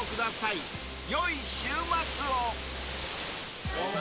［よい週末を］